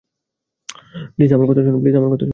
Please, আমার কথা শুনো।